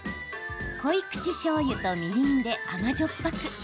濃い口しょうゆと、みりんで甘じょっぱく。